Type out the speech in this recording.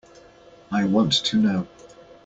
I want to know.